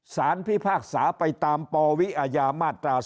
สารพิพากษาไปตามปวิอม๒๒๒๒๗